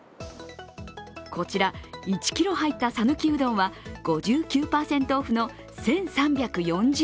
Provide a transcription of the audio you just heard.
こちら、１ｋｇ入った讃岐うどんは５９％オフの１３４０円。